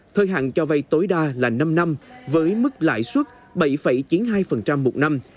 thời hạn cho vay tối đa là năm năm với mức lãi suất bảy chín mươi hai một năm